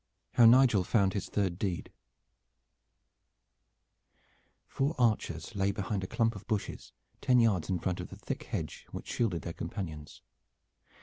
HOW NIGEL FOUND HIS THIRD DEED Four archers lay behind a clump of bushes ten yards in front of the thick hedge which shielded their companions.